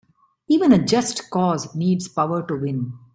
Even a just cause needs power to win.